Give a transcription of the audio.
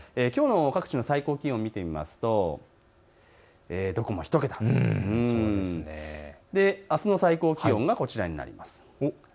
きょうの各地の最高気温を見てみますとどこも１桁、あすの最高気温がこちらになります。